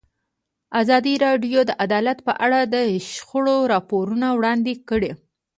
ازادي راډیو د عدالت په اړه د شخړو راپورونه وړاندې کړي.